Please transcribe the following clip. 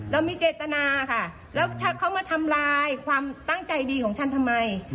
เรามีเจตนาค่ะแล้วถ้าเขามาทำลายความตั้งใจดีของฉันทำไม